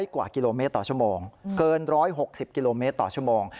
กว่ากิโลเมตรต่อชั่วโมงเกิน๑๖๐กิโลเมตรต่อชั่วโมง